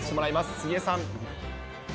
杉江さん。